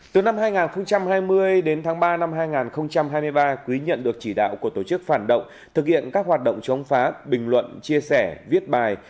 từ năm hai nghìn hai mươi đến tháng ba năm hai nghìn hai mươi ba quý nhận được chỉ đạo của tổ chức phản động thực hiện các hoạt động chống phá bình luận chia sẻ viết bài